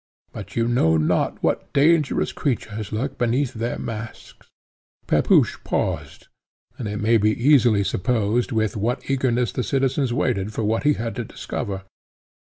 But you know not what dangerous creatures lurk beneath their masks." Pepusch paused, and it may be easily supposed with what eagerness the citizens waited for what he had to discover.